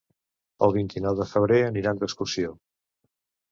El vint-i-nou de febrer aniran d'excursió.